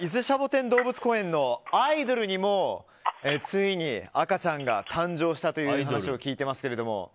シャボテン動物公園のアイドルにもついに赤ちゃんが誕生したという話を聞いていますが。